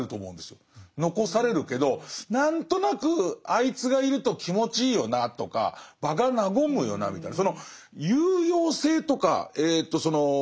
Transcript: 残されるけど何となくあいつがいると気持ちいいよなとか場が和むよなみたいな